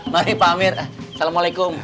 mari pak amir assalamualaikum